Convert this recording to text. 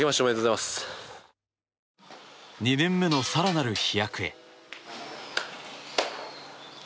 ２年目の更なる飛躍へ。